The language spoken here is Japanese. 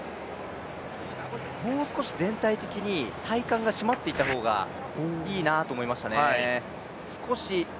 もう少し全体的に体幹が締まっていた方がいいなと思いましたね。